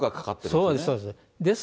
そうです、そうです。